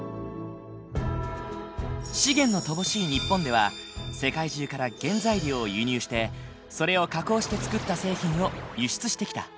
資源の乏しい日本では世界中から原材料を輸入してそれを加工して作った製品を輸出してきた。